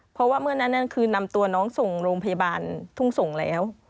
เพราะว่าเมื่อนั้นคือนำตัวน้องส่งโรงพยาบาลทุ่งส่งแล้ว